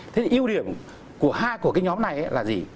thế thì ưu điểm của hai của cái nhóm này là gì